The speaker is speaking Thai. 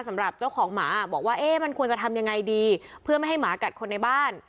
สำหรับเจ้าของหมาบอกว่าเอ๊ะมันควรจะทำยังไงดีเพื่อไม่ให้หมากัดคนในบ้าน